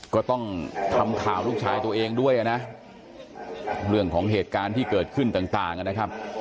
ก็ต้องทำข่าวลูกชายตัวเองด้วยนะเรื่องของเหตุการณ์ที่เกิดขึ้นต่างนะครับ